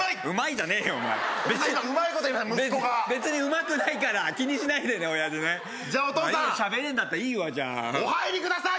じゃねえようまいこと言いました息子が別にうまくないから気にしないでね親父ねじゃあお父さん喋れんだったらいいわじゃあお入りください！